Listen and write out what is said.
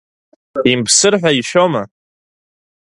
Имԥсыр ҳәа ишәома?